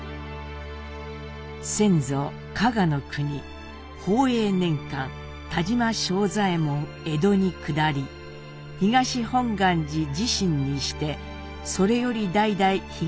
「先祖加賀国宝永年間田島庄左衛門江戸に下り東本願寺侍臣にしてそれより代々東本願寺に仕え」。